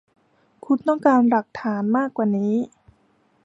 คุณต้องการหลักฐานมากว่านั้น